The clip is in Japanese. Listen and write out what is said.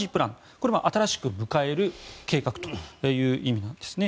これは新しく迎える計画という意味なんですね。